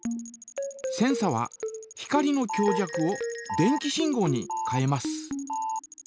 センサは光の強弱を電気信号に変えます。